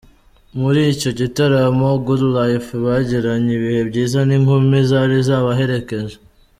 Muri iki gitaramo ,Good Lyfe bagiranye ibihe byiza n’inkumi zari zabaherekeje.